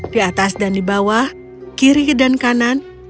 di atas dan di bawah kiri dan kanan